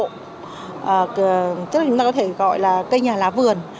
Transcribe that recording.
chắc là chúng ta có thể gọi là cây nhà lá vườn